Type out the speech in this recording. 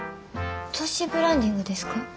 都市ブランディングですか？